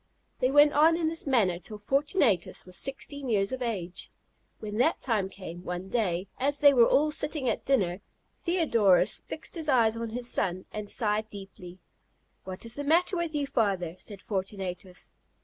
They went on in this manner till Fortunatus was sixteen years of age. When that time came, one day, as they were all sitting at dinner, Theodorus fixed his eyes on his son, and sighed deeply. "What is the matter with you, father?" said Fortunatus.